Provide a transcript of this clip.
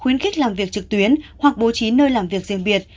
khuyến khích làm việc trực tuyến hoặc bố trí nơi làm việc riêng biệt